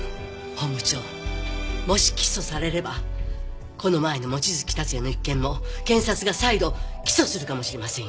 本部長もし起訴されればこの前の望月達也の一件も検察が再度起訴するかもしれませんよ。